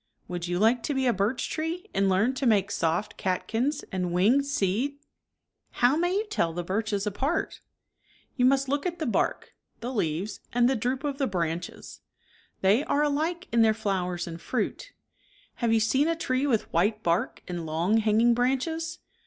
Would you like to be a birch tree and learn to make soft catkins and winged seed ?/^ jf/^ How may you tell the birches apart? ^ \J I ?/\ You must look at the bark, the leaves, and ■X'^^ ^'1 the droop of the branches. They are alike in their flowers and fruit Have you seen a tree with white bark and long, hanging branches